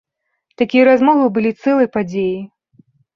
Такія размовы былі цэлай падзеяй.